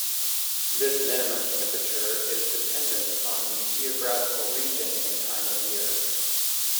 This minimum temperature is dependent on the geographical region and time of year.